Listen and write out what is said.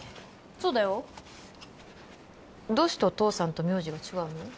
そうだよどうしてお父さんと名字が違うの？